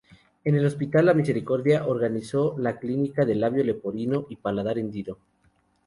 En el hospital La Misericordia organizó la clínica de labio leporino y paladar hendido.